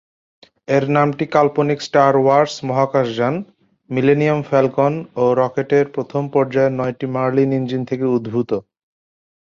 এর নামটি কাল্পনিক স্টার ওয়ার্স মহাকাশযান, মিলেনিয়াম ফ্যালকন ও রকেটের প্রথম পর্যায়ের নয়টি মার্লিন ইঞ্জিন থেকে উদ্ভূত।